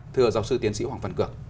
thưa giáo sư tiến sĩ hoàng phần cường